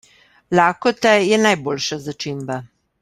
Lakota je najboljša začimba.